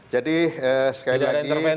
jadi sekali lagi